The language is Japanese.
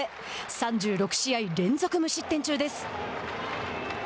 ３６試合連続無失点中です。